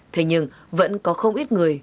thế nhưng vẫn có không ít người